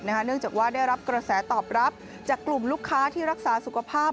เนื่องจากว่าได้รับกระแสตอบรับจากกลุ่มลูกค้าที่รักษาสุขภาพ